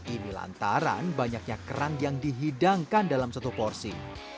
ini lantaran banyaknya kerang yang dihidangkan dalam satu porsi